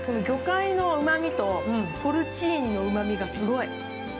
魚介のうまみと、ポルチーニのうまみがすごい。